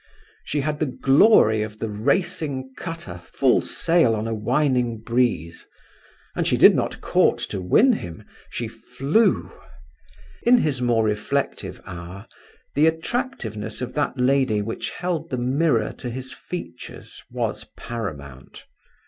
She had the glory of the racing cutter full sail on a whining breeze; and she did not court to win him, she flew. In his more reflective hour the attractiveness of that lady which held the mirror to his features was paramount.